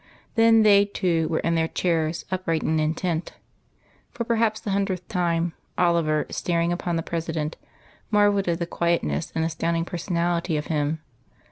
Then they, too, were in their chairs, upright and intent. For perhaps the hundredth time, Oliver, staring upon the President, marvelled at the quietness and the astounding personality of Him.